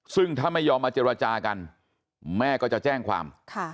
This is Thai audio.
ซึ่งถ้าไม่ยอมมาเจรจากันแม่ก็จะแจ้งความ